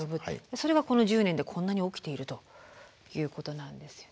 それがこの１０年でこんなに起きているということなんですよね。